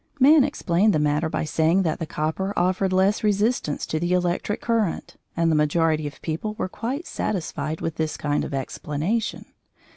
Man explained the matter by saying that the copper offered less resistance to the electric current, and the majority of people were quite satisfied with this kind of explanation.